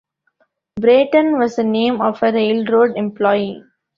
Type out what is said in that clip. Brayton was the name of a railroad employee.